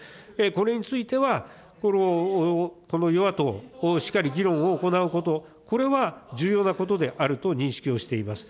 これについてはこの与野党、しっかり議論を行うこと、これは重要なことであると認識をしています。